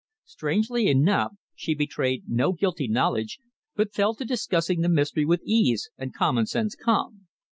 Strangely enough, she betrayed no guilty knowledge, but fell to discussing the mystery with ease and common sense calm.